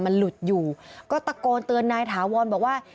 มันหลุดอยู่ก็ตะโกนเตือนนายถาวรบอกว่า